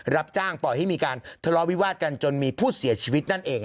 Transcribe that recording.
รับจ้างปล่อยให้มีการทะเลาะวิวาสกันจนมีผู้เสียชีวิตนั่นเอง